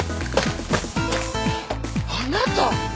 あなた！